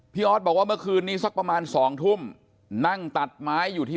ออสบอกว่าเมื่อคืนนี้สักประมาณ๒ทุ่มนั่งตัดไม้อยู่ที่